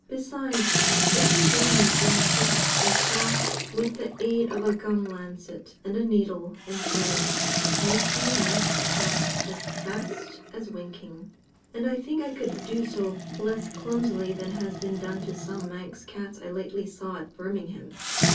Besides, if you bring me young kittens, I shall, with the aid of a gum lancet, and a needle and thread, make you Manx cats as fast as winking; and I think I could do so less clumsily than has been done to some Manx(?) cats I lately saw at Birmingham.